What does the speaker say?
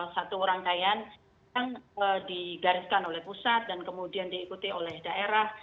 satu rangkaian yang digariskan oleh pusat dan kemudian diikuti oleh daerah